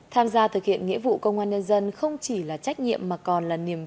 tham gia thực hiện nghĩa vụ công an nhân dân không chỉ là trách nhiệm mà còn là một trách nhiệm